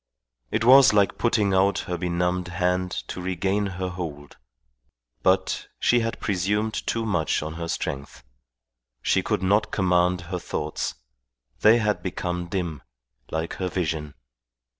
It was like putting out her benumbed hand to regain her hold. But she had presumed too much on her strength. She could not command her thoughts; they had become dim, like her vision.